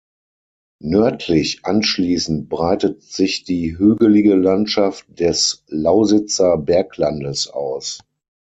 Nördlich anschließend breitet sich die hügelige Landschaft des Lausitzer Berglandes aus.